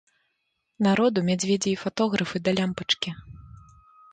Народу мядзведзі і фатографы да лямпачкі.